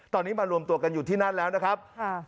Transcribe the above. ตอนนี้มารวมตัวกันอยู่ที่นั่นแล้วนะครับ